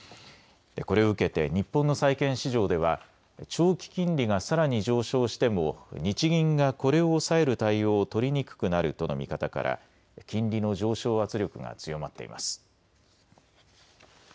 これを受けて日本の債券市場では長期金利がさらに上昇しても日銀がこれを抑える対応を取りにくくなるとの見方から金利の上昇圧力が強まっています。